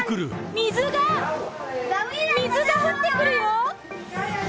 水が、水が降ってくるよ！